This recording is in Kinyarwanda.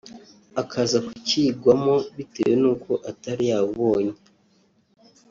akaza kucyigwamo bitewe n'uko atari yawubonye